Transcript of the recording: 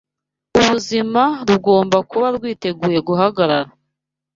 ubuzima rugomba kuba rwiteguye guhagarara